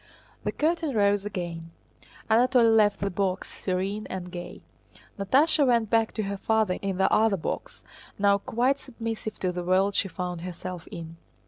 The curtain rose again. Anatole left the box, serene and gay. Natásha went back to her father in the other box, now quite submissive to the world she found herself in.